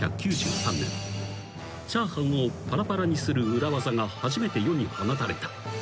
［チャーハンをパラパラにする裏技が初めて世に放たれた］